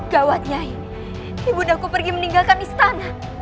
gawat nyai ibu ndaku pergi meninggalkan istana